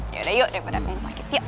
yaudah yuk daripada pengen sakit ya